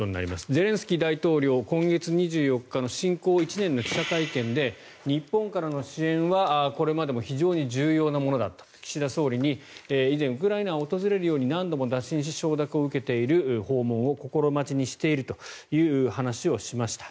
ゼレンスキー大統領今月２４日の侵攻１年の記者会見で日本からの支援はこれまでも非常に重要なものだった岸田総理に以前、ウクライナを訪れるように何度も打診し、承諾を受けている訪問を心待ちにしているという話をしました。